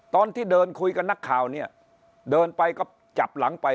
ตอนที่เดินคุยกับนักข่าวเนี่ยเดินไปก็จับหลังไป